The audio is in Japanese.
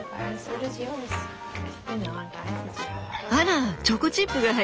あらチョコチップが入ってる。